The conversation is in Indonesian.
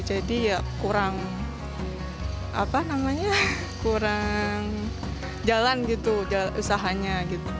jadi ya kurang apa namanya kurang jalan gitu usahanya gitu